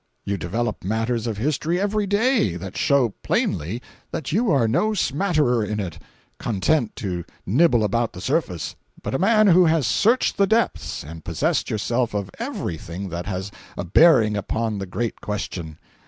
You develop matters of history every day that show plainly that you are no smatterer in it, content to nibble about the surface, but a man who has searched the depths and possessed yourself of everything that has a bearing upon the great question.